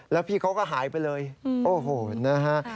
แล้วพี่เขาก็หายไปเลยโอ้โหนะฮะ